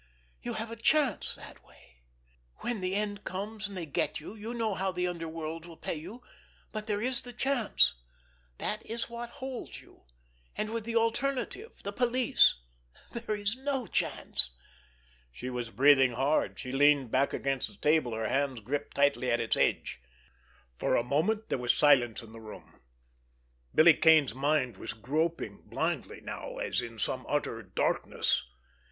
You have a chance that way! When the end comes and they get you, you know how the underworld will pay—but there is the chance—that is what holds you—and with the alternative—the police—there is no chance." She was breathing hard. She leaned back against the table, her hands gripped tightly at its edge. For a moment there was silence in the room. Billy Kane's mind was groping blindly now, as in some utter darkness.